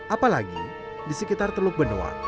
apalagi di sekitar teluk benoa